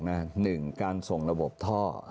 หนึ่งการส่งระบบท่อ